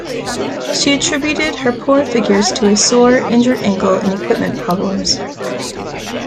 She attributed her poor figures to a sore, injured ankle and equipment problems.